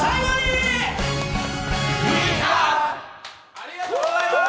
ありがとうございます。